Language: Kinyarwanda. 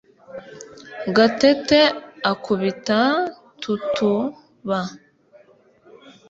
gatete akubita tutuba